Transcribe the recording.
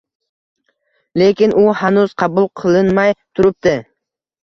Lekin u hanuz qabul qilinmay turibdi.